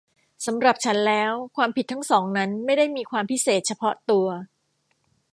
สำหรับฉันแล้วความคิดทั้งสองนั้นไม่ได้มีความพิเศษเฉพาะตัว